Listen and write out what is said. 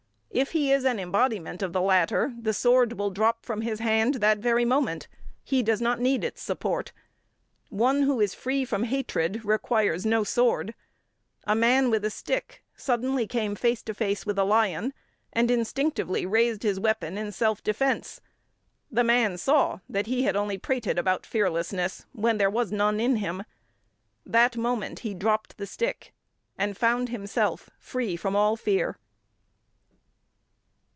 If he is an embodiment of the latter, the sword will drop from his hand that very moment. He does not need its support. One who is free from hatred requires no sword. A man with a stick suddenly came face to face with a lion, and instinctively raised his weapon in self defence. The man saw that he had only prated about fearlessness when there was none in him. That moment he dropped the stick, and found himself free from all fear.